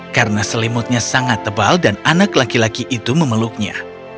karena selimutnya sangat tebal dan anak laki laki itu memeluknya